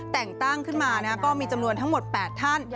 แต่งตั้งขึ้นมาก็มีจำนวนทั้งหมด๘ท่าน